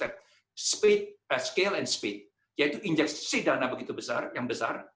kedua kecepatan dan kecepatan yaitu injeksi dana yang besar